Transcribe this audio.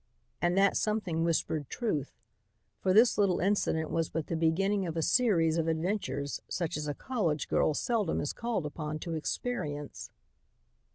And that something whispered truth, for this little incident was but the beginning of a series of adventures such as a college girl seldom is called upon to experience.